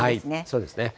そうですね。